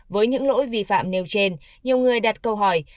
với những lỗi vi phạm nêu trên nhiều người đặt câu hỏi